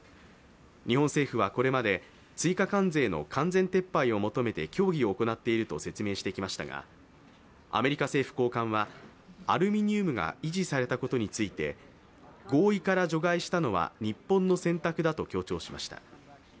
日本政府はこれまで追加関税の完全撤廃を求めて協議を行っていると説明してきましたがアメリカ政府高官は、アルミニウムが維持されたことについて、合意から除外したのは日本の選択だと強調しました。